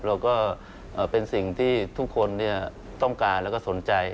ก็เป็นสิ่งที่ทุกคนต้องการแล้วก็สนใจ